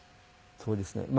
そうですか。